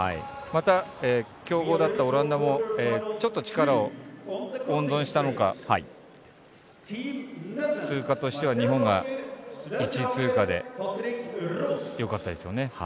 また強豪だったオランダもちょっと力を温存したのか通過としては日本が１位通過でよかったですよね。